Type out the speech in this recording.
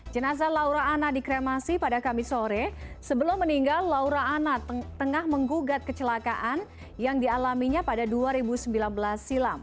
jenazah laura anna dikremasi pada kamis sore sebelum meninggal laura anna tengah menggugat kecelakaan yang dialaminya pada dua ribu sembilan belas silam